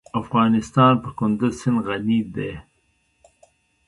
افغانستان په کندز سیند غني دی.